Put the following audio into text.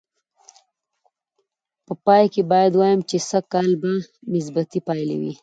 په پای کې باید ووایم چې سږ کال به مثبتې پایلې وې.